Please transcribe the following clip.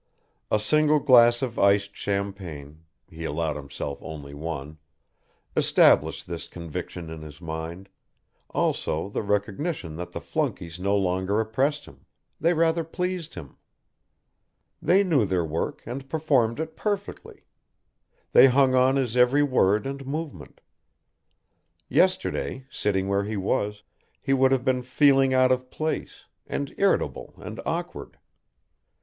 A single glass of iced champagne he allowed himself only one established this conviction in his mind, also the recognition that the flunkeys no longer oppressed him, they rather pleased him. They knew their work and performed it perfectly, they hung on his every word and movement. Yesterday, sitting where he was, he would have been feeling out of place, and irritable and awkward.